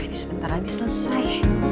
ini sebentar lagi selesai